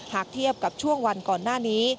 เทียบกับช่วงวันก่อนหน้านี้